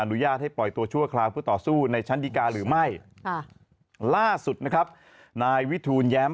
อุญาตให้ปล่อยตัวชั่วคราวเพื่อต่อสู้ในชั้นดีการหรือไม่ล่าสุดนะครับนายวิทูลแย้ม